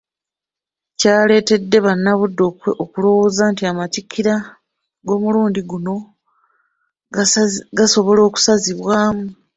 Kyaleetedde bannabuddu okulowooza nti Amatikkira g’omulundi guno gasobola okusazibwamu.